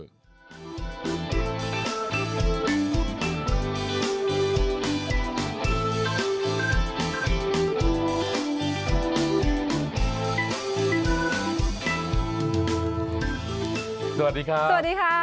สวัสดีครับสวัสดีค่ะ